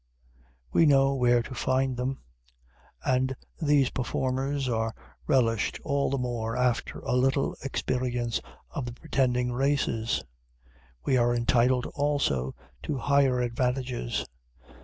We know where to find them; and these performers are relished all the more after a little experience of the pretending races. We are entitled, also, to higher advantages.